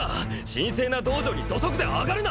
神聖な道場に土足であがるな！